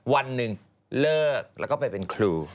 วันหนึ่งเลิกแล้วก็ไปเป็นครู